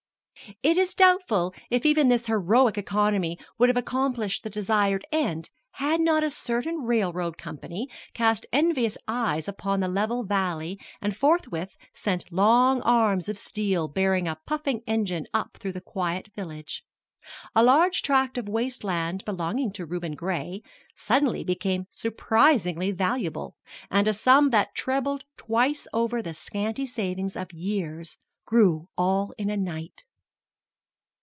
It is doubtful if even this heroic economy would have accomplished the desired end had not a certain railroad company cast envious eyes upon the level valley and forthwith sent long arms of steel bearing a puffing engine up through the quiet village. A large tract of waste land belonging to Reuben Gray suddenly became surprisingly valuable, and a sum that trebled twice over the scanty savings of years grew all in a night.